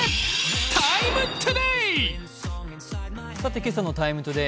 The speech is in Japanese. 今朝の「ＴＩＭＥ，ＴＯＤＡＹ」